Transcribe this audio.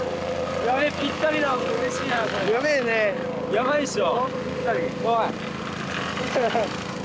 やばいっしょ。